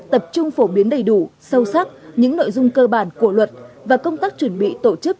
tập trung phổ biến đầy đủ sâu sắc những nội dung cơ bản của luật và công tác chuẩn bị tổ chức